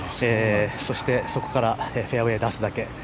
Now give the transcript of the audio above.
そしてそこからフェアウェーに出すだけ。